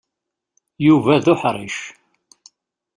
Yuba d uḥṛic.